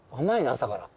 朝から。